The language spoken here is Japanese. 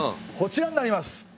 こちらになります。